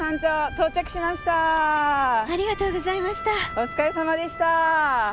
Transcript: お疲れさまでした。